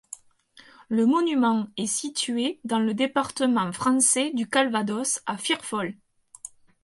Le monument est situé dans le département français du Calvados, à Firfol.